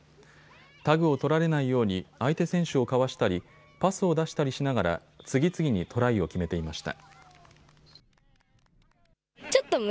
タグを取られないように相手選手をかわしたりパスを出したりしながら次々にトライを決めていました。